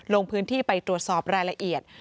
ลงพื้นที่ไปตรวจสอบรายละเอียด